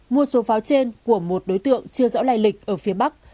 mua số pháo trên của một đối tượng chưa rõ lai lịch ở phía bắc